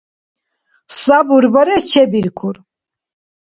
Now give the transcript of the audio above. Сабурбарес чебиркур.